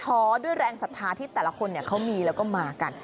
ด้วยแรงศรัทธาที่แต่ละคนเขามีแล้วก็มากัน